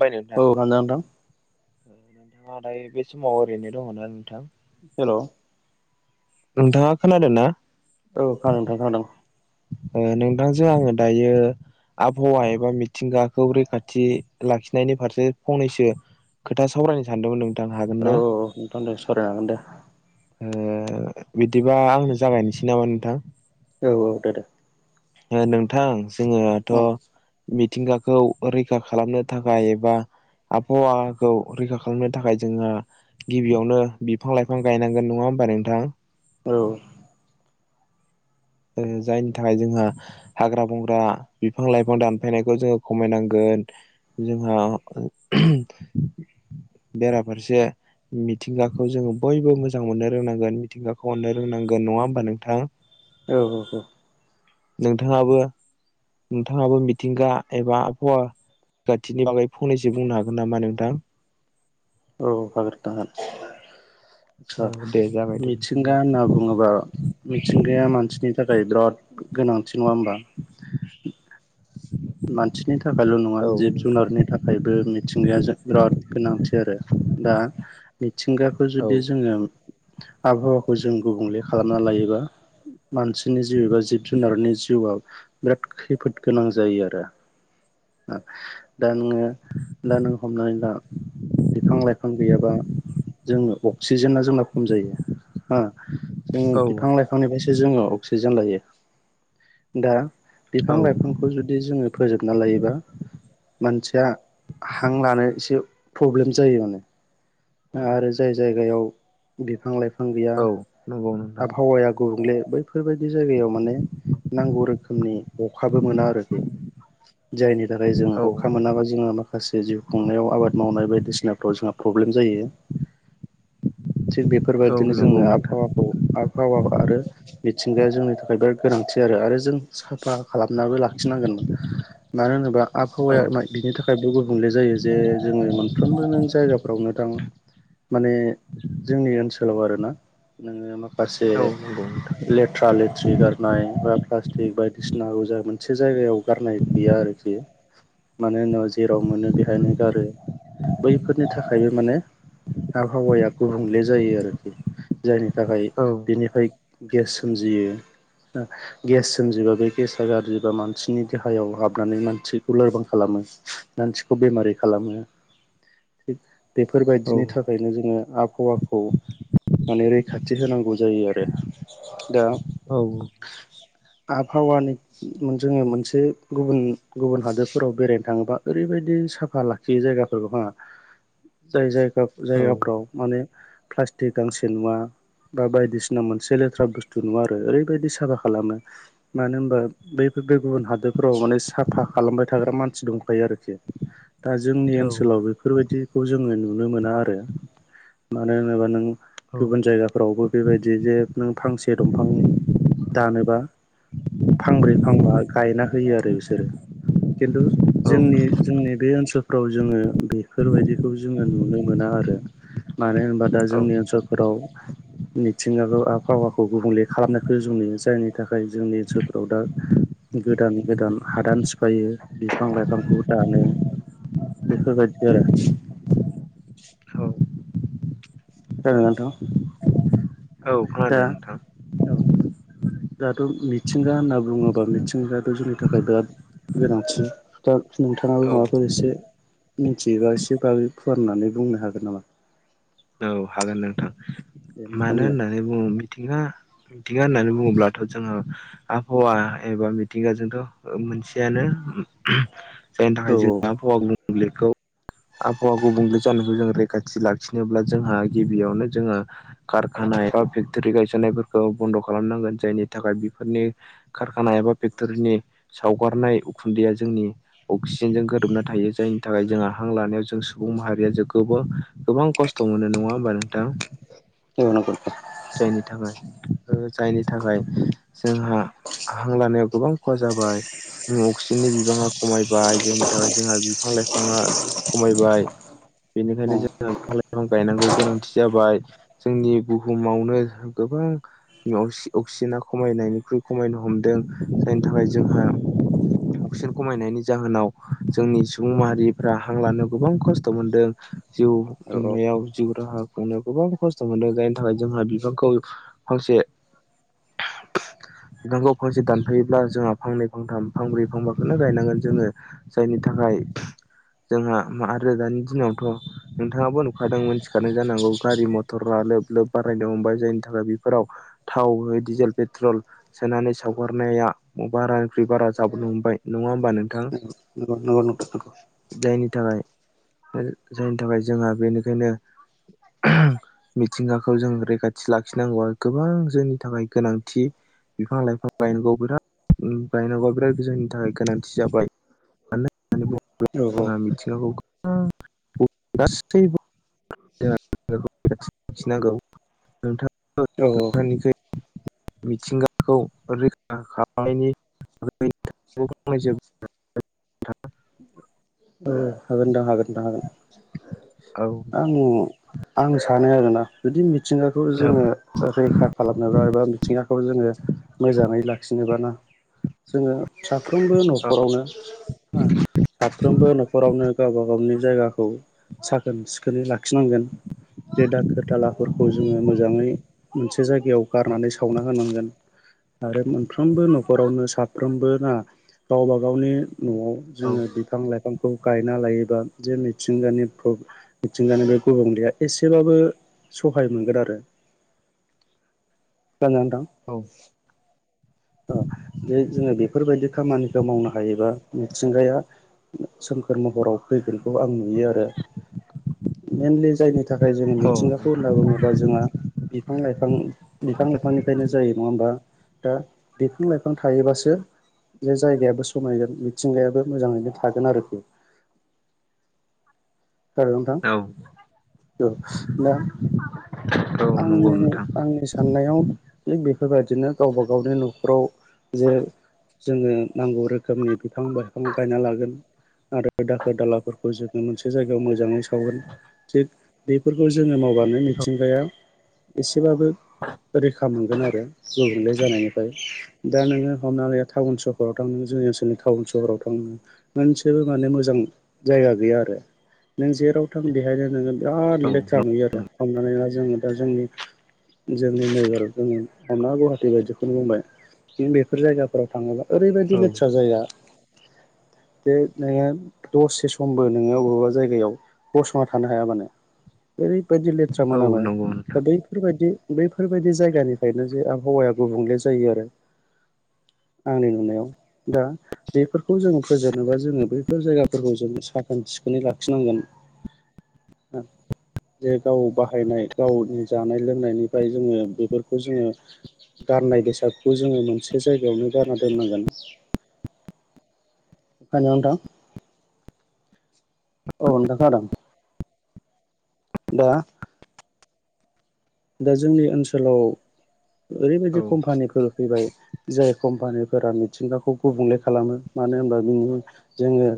खुलुमबाय नोंथां औ [unintelligible] नोंथाङा दायो बे समाव ओरैनो दङना नोंथां हेल' नोंथाङा खोनादों ना औ खोनादो नोंथां खोनादों ओ नोंथांजों आङो दायो आबहावा एबा मिथिंगाखौ रैखाथि लाखिनायनि फारसे फंनैसो खोथा सावरायनो सानदोंमोन नों औ नोंथां दे सावरायनो हागोन दे ओ बिदिबा आंनो जागायनोसै नामा नोंथां औ औ दे दे ओ नोंथां जोङोआथ' उम मिथिंगाखौ रैखा खालामनो थाखाय एबा आबहावाखौ रैखा खालामनो थाखाय जोङो गिबियावनो बिफां-लाइफां गायनांगोन नङा होमबा नोंथां औ ओ जायनि थाखाय जोंहा हाग्रा बंग्रा बिफां-लाइफां दानफायनायखौ जोङो खमायनांगोन गोन जोंहा बेराफारसे मिथिंगाखौ जोङो बयबो मोजां मोननो रोंनांगोन मिथिंगाखौ अननो रोंनांगोन नङा होमबा नोंथां औ औ औ नोंथाङाबो नोंथाङाबो मिथिंगा एबा आबहावा खाथिनि बागै फंनैसो बुंनो हागोन नामा नोंथां औ हागोन नोंथां हागोन औ आतसा दे जाबाय दे नोंथां मिथिंगा होनना बुङोबा मिथिंगाया मानसि नि थाखाय बिराद गोनांथि नङा होमबा मानसिनि थाखायल' नङा औ जिब नोंथां जुनारनि थाखायबो मिथिंगायाजों बिराद गोनांथि आरो दा मिथिंगाखौ जुदि जोङो आबहावाखौ जों गुबुंले खालामना लायोबा मानसिनि जिउ एबा जिब जुनारनि जिउआव बिराद खैफोद गोनां जायो आरो दा ओ दा नोङो दा नों हमनानै ला बिफां-लाइफां गैयाबा जोंनो अक्सिजेना जोंना खम जायो हा जोङो औ बिफां-लाइफांनिफायसो जोङो अक्सिजेन लायो दा औ बिफां -लाइफांखौ जुदि जोङो फोजोबना लायोबा मानसिया हां लानो एसे पब्लेम जायो माने। आरो जाय जायगायाव बिफां -लाइफां फां गैया औ नंगौ नोंथां आबहावाया गुबुंले बैफोरबायदि जायगायाव माने नांगौ रोखोमनि अखाबो मोना आरोखि। जायनि थाखाय जों औ अखा मोनाबा जोंहा माखासे जिउ खुंनायाव आबाद मावनाय बायदिसिनाफ्राव जोंहा प्रब्लेम जायो। थिग औ बेफोरबायदिनो नंगौ जोंङो नोंथां आबहावाखौ आबहावा आरो मिथिंगाया जोंनि थाखाय बिराद गोनांथि आरो जों साफा खालामनाबो लाखिनांगोनमोन मानो होनोबा औ आबहावाया बिनि थाखायबो गुबुंले जायो जे जोङो मोनफ्रोम नों जायगाफोरावनो थां माने जोंनि ओनसोलाव आरोना नोङो मा माखासे औ नंगौ नोंथां लेथ्रा लेथ्रि गारनाय बा प्लास्टिक बायदिसिना गजाय मोनसे जायगायाव गारनाय गैया आरोखि मानो होनाबा जेराव मोनो बेहायनो गारो बैफोरनि थाखायबो माने आबहावाया गुबुंले जायो आरोखि जायनि थाखाय औ बेनिफ्राय गेस सोमजियो गेस सोमजिबा बे गेसा गाज्रि एबा मानसिनि देहायाव हाबनानै मानसिखौ लोरबां खालामो मानसिखौ बेमारि खालामो थिग औ बेफोरबायदिनि थाखायनो जोङो आबहावाखौ माने रैखाथि होनांगौ जायो आरो दा औ आबहावानि जोङो मोनसे गुबुन गुबुन हादोरफोराव बेरायनो थाङोबा ओरैबायदि साफा लाखियो जायगा जायगाफोरखौ हो जाय जायगा जायगाफ्राव औ माने प्लास्टिक गांसे नुवा बा बायदिसिना मोनसे लेथ्रा बुस्थु नुवा आरो ओरैबायदि साफा खालामो मानो होनबा बैफोर गुबुन हादोरफोराव माने साफा खालामबाय थाग्रा मानसि दंखायो आरोखि दा जोंनि औ ओनसोलाव बेफोरबायदिखौ जोङो नुनो मोना आरो मानो होनोब्ला नों औ गुबुन जायगा फोरावबो बेबायदि जे नों फांसे दंफां दानोबा फांब्रै फांबा गायना होयो आरो बिसोरो खिन्थु औ जोंनि जोंनि बे ओनसोलफ्राव जोङो बेफोरबायदिखौ जोङो नुनो मोना आरो मानो होनबा दा औ जोंनि ओनसोलफोराव मिथिंगाखौ आबहावाखौ गुबुंले खालामनायखौ जों नुयो जायनि थाखाय जोंनि ज फोराव दा गोदान गोदान हादान सिफायो बिफां लाइफांखौ दानो बेफोरबायदि आरो औ खोनादों नोंथां औ खोनादों नोंथां जाहाथ' मिथिंगा होनना बुङोबा मिथिंगायाथ' जोंनि थाखाय बिराद गोनांथि दा नोंथाङाबो औ माबाफोर एसे मिथियोबा एसे बागै फुवारनानै बुंनो हागोन नामा औ हागोन नोंथां दे मानो नोंथांमोनलाय होननानै बुङो मिथिंगा मिथिंगा होननानै बुङोब्लाथ' जोङो आबहावा एबा मिथिंगाजोंथ' मोनसेयानो [unintelligible] जायनि औ थाखाय जोंना आबहावा गुबुंलेखौ आबहावा गुबुंले जानायखौ जों रैखाथि लाखिनोब्ला जोंहा गिबियावनो जोङो कारखानाय एबा फेक्टरि गायसननायफोरखौ बन्द' खालामनांगोन जायनि थाखाय बेफोरनि कारखाना एबा फेक्ट'रिनि सावगारनाय उखुन्दैया जोंनि अक्सिजेनजों गोरोबना थायो जायनि थाखाय जोंहा हां लानायाव जों सुबुं माहारिया गोबां खस्थ' खस्थ' मोनो नङा होमबा नोंथां औ नंगौ जायनि थाखाय जायनि थाखाय जोंहा हां लानायाव गोबां खहा जाबाय अक्सिजेननि बिबाङा खमायबाय जायनि थाखाय जोंहा बिफां लाइफाङा खमायबाय औ बेनिखायनो जोङो बिफां लाइफां गायनांगौ गोनांथि जाबाय जोंनि बुहुम बुहुमावनो गोबां अक्सिजेना खमायनायनिख्रुइ खमायनो हमदों बेनि थाखाय जोंहा अक्सिजेन खमायनायनि जाहोनाव जोंनि सुबुं माहारिफ्रा हां लानो गोबां खस्थ' मोनदों जिउ खुंनायाव जिउ राहा खुंनायाव गोबां खस्थ' मोनदों जाय थाखाय जोंहा बिफांखौ फांसे बिफांखौ फांसे दानफायोब्ला जोंहा फांनै फांथाम फांब्रै फांबाखौनो गायनांगोन जोङो जायनि थाखाय राय। जोंहा आरो दानि दिनावथ' नोंथाङाबो नुखादों मोनथिखानाय जानांगौ गारि मथरा लोब लोब बारायदों हबाय जायनि थाखाय बेफोराव थाव डिजेल पेट्रल सोनानै सावगारनाया बारानिखफ्रायुइ बारा जाबोनो मोनबाय नङा होमबा नोंथां। [inaudible] जायनि थाखाय जोंहा बेनिखायनो मिथिंगा खौ जों रैखाथि लाखिनांगौआ गोबां जोंनि थाखाय गोनांथि। बिफां लाइफां गायनांगौ बिराद बारायनांगौ बिराद गोजोंनि थाखाय गोनांथि जाबाय। मानो होननानै बुङोब्ला नंगौ औ जोंहा मिथिंगाखौ गोबां गासैबो [unintelligible] नंगौ नोंथां औ औ [inaudible] मिथिंगाखौ रैखा खालामनायनि [unintelligible] थाखाय [inaudible] हागोन दां हागोन दां हागोन औ आङो आं सानो आरोना बिदि मिथि मिथिंगाखौ औ जोङो रैखा खालामनोबा एबा मिथिंगाखौ जोङो मोजाङै लाखि लाखिनोबा ना जोङो साफ्रोमबो औ न'खरावनो ह साफ्रोमबोख गावनो गावबा गावनि जायगाखौ साखोन सिखोनै लाखिनांगोन। जे दाखोर दालाफोरखौ जोङो मोजाङै मोनसे जायगायाव गारनानै सावना होनांगोन। आरो मोनफ्रोमबो न'खरावनो साफ्रोमबो ना? गावबा गावनि न'आव जोङो बिफां लाइफां गायना लायोबा जे मिथिंगानि मिथिंगानि बे गुबुंलेया एसेबाबो सहाय मोनगोन आरो [inaudible] दां द औ जोङो बेफोरबायदि खामानि गोम मावनो हायोबा मिथिंगाया सोमखोर महराव फैगोनखौ आं नुयो आरो मेनलि जायनि थाखाय जोङो औ मिथिंगाखौ होनना बुङोबा जोंहा बिफां लाइफां बिफां लाइफांनिफ्रायनो जायो नङा होमबा दा बिफां लाइफां थायोबासो बे जायगायाबो समायगोन मिथिंगायाबो मोजाङैनो थागोन आरोखि सार [unintelligible] नोंथां औ औ दा औ नंगौ आंनि नोंथां आंनि साननायाव ज बे बेफोरबायदिनो गावबा गावनि न'खराव जे जोङो नांगौ रोखोमनि बिफां लाइफां गायना लागोन आरो दाखोर दालाफोरखौ जोङो मोनसे जायगायाव मोजाङै सावगोन थिग बेफोरखौ जोङो मावबानो मिथिंगाया एसे एसेबाबो रैखा मोनगोन आरो गुबूंग्ले जानायनिफ्राय दा नोङो हमनानै टाउन सहाव थां जोंनि ओनोलनि टाउन सहाव थां मोन रनानै मोजां जायगा गैया आरो नों जेराव थां देहायनो नोङो बिराद औ लेट ज नुयो आरो थांनानैहाय जोङो दा जोंनि जोंनि नोगोराव जोङो हमना गुवाहाटि बायदिखौनो बुंबाय बेफोर जायगाफोराव थाङोब्ला ओरैबायदि औ लेथ्रा जाया दे नोङो दसेसे समबो नोङो बबेबा जायगायाव गसंना थानो हायाबानो दि लेथ्रा औ मोनामो नंगौ दा नोंथां बैफोरबायदि बफोर बेफोरबायदि जायगानिफ्रायनो जे आबहावाया गुबुंले जायो आरो [inaudible] आंनि नुनायाव दा बेफोरखौ जो फोजेनोबा जोङो बैफोर जायगाफोरखौ जों साखोन सिखोनै लाख सखिनांगोन जे गाव बाहायनाय गावनि जानाय लोंनायनिफ्राय जोङो बेफोरखौ जोङो गारनाय बेसादखौ जोङो मोनसे जायगायावनो गारना दोननांगोन। [unintelligible] [unintelligible] अ दा खोनादों। दा दा जोंनि ओनसोलाव ओरैबायदि औ कम्पानिफोर फैबाय। जाय कम्पानिफोरा मिथिंगाखौ गुबुंले खालामो मानो होनबा बिनि जोङो